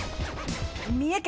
三重県。